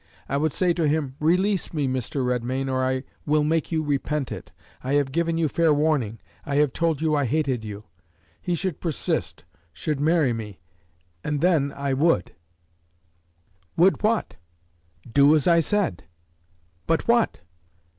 I would say to him, 'Release me, Mr. Redmain, or I will make you repent it. I have given you fair warning. I have told you I hated you.' He should persist, should marry me, and then I would." "Would what?" "Do as I said." "But what?"